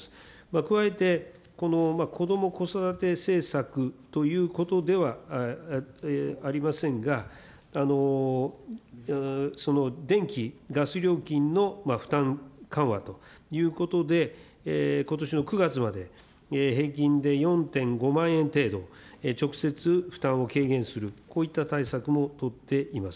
加えて、このこども・子育て政策ということではありませんが、電気、ガス料金の負担緩和ということで、ことしの９月まで平均で４．５万円程度、直接負担を軽減する、こういった対策も取っています。